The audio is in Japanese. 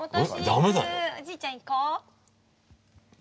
おじいちゃん行こう。